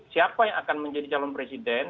siapa yang akan menjadi calon presiden